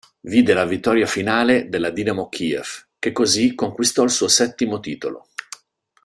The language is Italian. Vide la vittoria finale della Dinamo Kiev, che così conquistò il suo settimo titolo.